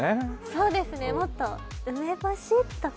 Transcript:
そうですね、もっと梅干しとか？